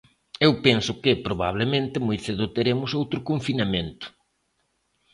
Eu penso que, probablemente, moi cedo teremos outro confinamento.